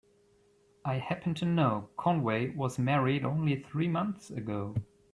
I happen to know Conway was married only three months ago.